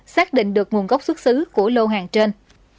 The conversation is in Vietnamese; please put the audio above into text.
xác định được nguồn gốc xuất xứ của lô hàng trên